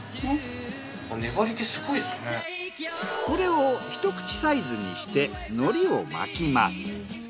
これを一口サイズにして海苔を巻きます。